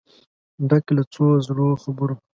ډک له څو زړو خبرو